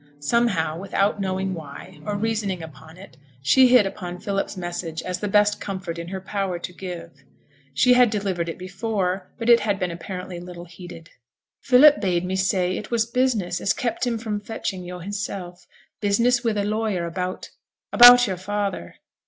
Somehow, without knowing why, or reasoning upon it, she hit upon Philip's message as the best comfort in her power to give. She had delivered it before, but it had been apparently little heeded. 'Philip bade me say it was business as kept him from fetchin' yo' hissel' business wi' the lawyer, about about yo'r father.'